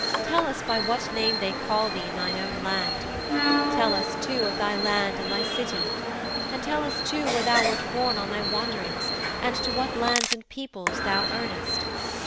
Tell us by what name they call thee in thine own land. Tell us, too, of thy land and thy city. And tell us, too, where thou wert borne on thy wanderings, and to what lands and peoples thou earnest.